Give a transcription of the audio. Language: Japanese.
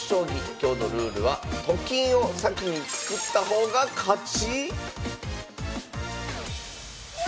今日のルールはと金を先に作った方が勝ち⁉